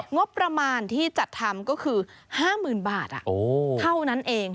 งบประมาณที่จัดทำก็คือ๕๐๐๐บาทเท่านั้นเอง